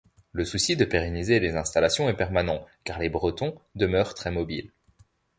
Le souci de pérenniser les installations est permanent car les bretons demeurent très mobiles.